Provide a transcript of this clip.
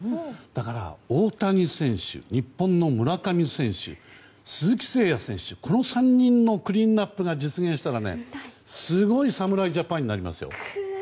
だから大谷選手、日本の村上選手鈴木誠也選手の３人のクリーンナップが実現すればすごい侍ジャパンになりますよ。